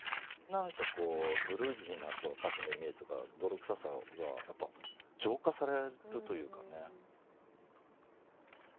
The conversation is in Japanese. なんかこうブルージーなこの歌詞のイメージとか泥臭さはやっぱ浄化されるというかね。